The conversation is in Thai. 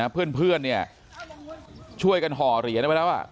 เพื่อนเนี่ยช่วยกันห่อเหรียญไปแล้วอ่ะ